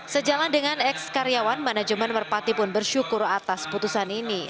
sejalan dengan eks karyawan manajemen merpati pun bersyukur atas putusan ini